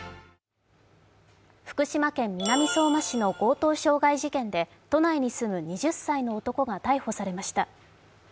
福島県南相馬市の強盗傷害事件で都内に住む２０歳の男が逮捕されました。